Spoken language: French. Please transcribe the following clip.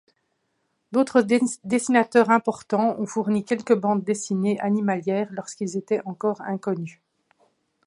D'autres dessinateurs importants ont fourni quelques bandes dessinées animalières lorsqu'ils étaient encore inconnus.